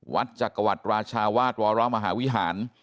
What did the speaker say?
จักรวรรดิราชาวาสวรมหาวิหาร